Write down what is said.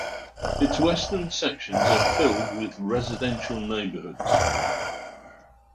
Its western sections are filled with residential neighborhoods.